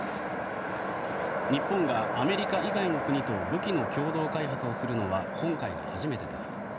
日本がアメリカ以外の国と武器の共同開発をするのは今回が初めてです。